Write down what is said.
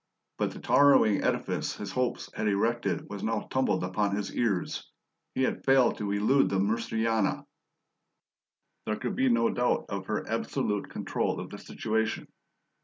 But the towering edifice his hopes had erected was now tumbled about his ears: he had failed to elude the Mursiana. There could be no doubt of her absolute control of the situation.